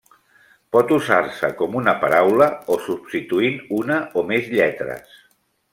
Pot usar-se com una paraula o substituint una o més lletres.